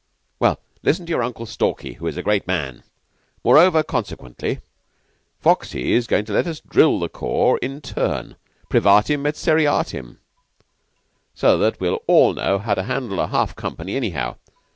"Well, listen to your Uncle Stalky who is a great man. Moreover and subsequently, Foxy's goin' to let us drill the corps in turn privatim et seriatim so that we'll all know how to handle a half company anyhow.